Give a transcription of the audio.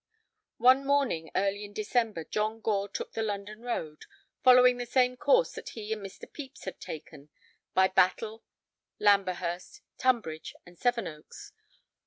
One morning early in December John Gore took the London road, following the same course that he and Mr. Pepys had taken—by Battle, Lamberhurst, Tunbridge, and Seven Oaks.